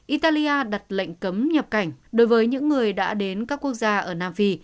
italia đặt lệnh cấm nhập cảnh đối với những người đã đến các quốc gia ở nam phi